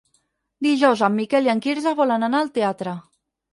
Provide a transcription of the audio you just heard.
Dijous en Miquel i en Quirze volen anar al teatre.